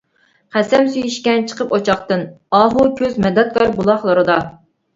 قەسەم سۈيى ئىچكەن چىقىپ ئوچاقتىن، ئاھۇ كۆز مەدەتكار بۇلاقلىرىدا.